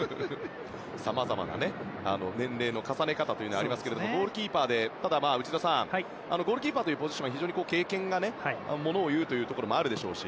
さまざまな年齢の重ね方はありますがただ、内田さんゴールキーパーというポジションは非常に経験がものをいうところもあるでしょうし